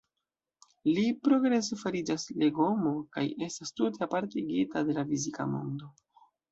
Li progrese fariĝas legomo, kaj estas tute apartigita de la fizika mondo.